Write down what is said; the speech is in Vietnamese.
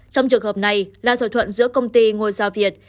trong trường hợp này là thỏa thuận giữa công ty ngôi sao việt